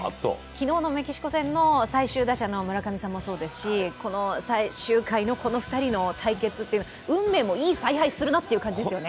昨日のメキシコ戦の最終打者の村上さんもそうですしこの最終回のこの２人の対決は運命もいい采配するなという感じですよね。